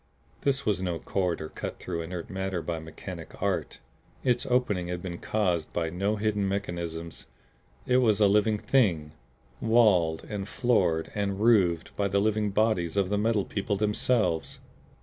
This was no corridor cut through inert matter by mechanic art; its opening had been caused by no hidden mechanisms! It was a living Thing walled and floored and roofed by the living bodies of the Metal People themselves.